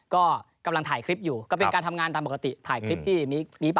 กำลังถ่ายคลิปอยู่ก็เป็นการทำงานตามปกติถ่ายคลิปที่มีปากอีกเสียงกัน